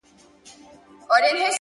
د سكون له سپينه هــاره دى لوېـدلى.